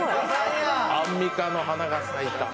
アンミカの花が咲いた。